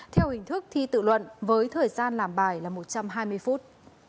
theo hình thức thi tự luận với thời gian làm bài là một trăm hai mươi phút